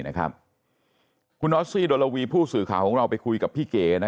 คุณออสซี่โดรวีผู้สื่อข่าวของเราไปคุยกับพี่เก๋